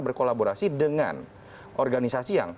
berkolaborasi dengan organisasi yang